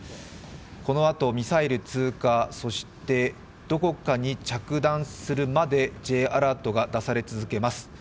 このあとミサイル通過、そしてどこかに着弾するまでＪアラートが出され続けます。